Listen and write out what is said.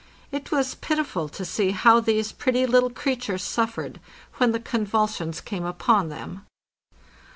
It was pitiful to see how these pretty little creatures suffered when the convulsions came upon them.